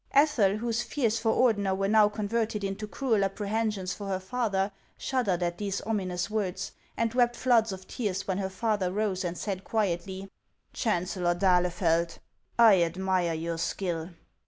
Ethel, whose fears for Ordener were now converted into cruel apprehensions for her father, shuddered at these ominous words, and wept floods of tears when her father rose and said quietly: "Chancellor d'Ahlefeld, I admire your skill.